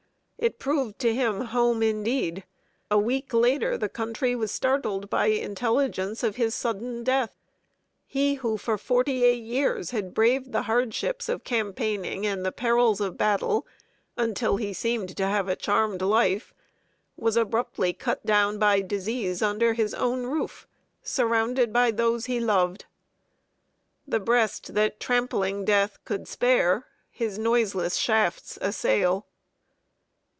It proved to him Home indeed. A week later the country was startled by intelligence of his sudden death. He, who for forty eight years had braved the hardships of campaigning and the perils of battle, until he seemed to have a charmed life, was abruptly cut down by disease under his own roof, surrounded by those he loved. "The breast that trampling Death could spare, His noiseless shafts assail."